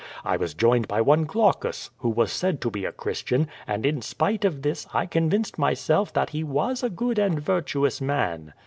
I was joined by one Glaucus, who was said to be a Christian, and in spite of this, I convinced myself that he was a good and virtuous man."